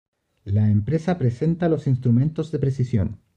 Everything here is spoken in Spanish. La Empresa presenta a los instrumentos de precisión.